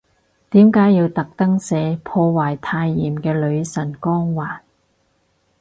點解要特登寫，破壞太妍嘅女神光環